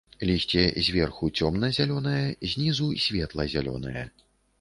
Лісце зверху цёмна-зялёнае, знізу светла-зялёнае.